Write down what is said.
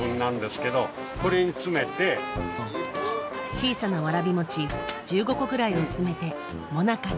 小さなわらび餅１５個ぐらいを詰めてもなかに。